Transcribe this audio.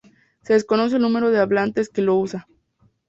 Se desconoce el número de hablantes que lo usa.